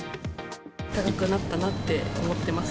高くなったなって思ってます。